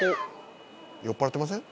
「酔っ払ってません？」